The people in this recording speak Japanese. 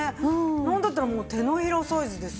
なんだったらもう手のひらサイズですよ。